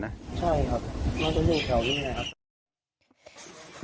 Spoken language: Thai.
ใช่เหรอมันจะอยู่แถวนี้ครับ